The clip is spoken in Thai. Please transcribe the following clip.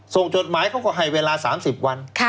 จดหมายเขาก็ให้เวลา๓๐วัน